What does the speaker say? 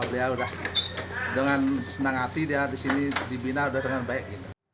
dia udah dengan senang hati disini dibina dengan baik